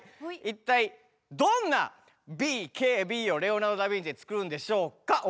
一体どんなＢＫＢをレオナルド・ダビンチで作るんでしょうか。